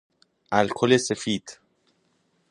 الکل سفید